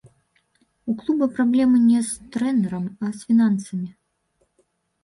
У клуба праблемы не з трэнерам, а з фінансамі.